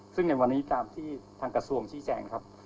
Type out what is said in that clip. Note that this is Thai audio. ซึ่งในวันนี้ตามที่ทางกระทรวงชี้แจงนะครับ